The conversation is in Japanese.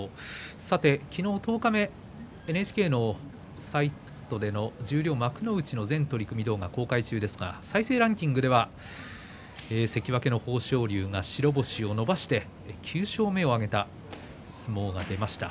さて昨日、十日目ＮＨＫのサイトで十両幕内の全取組動画を公開中ですが再生ランキングでは関脇の豊昇龍が白星を伸ばして９勝目を挙げた相撲がありました。